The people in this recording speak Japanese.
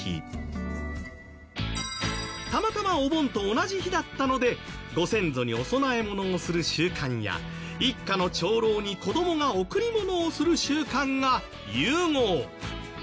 たまたまお盆と同じ日だったのでご先祖にお供え物をする習慣や一家の長老に子供が贈り物をする習慣が融合。